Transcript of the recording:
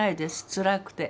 つらくて。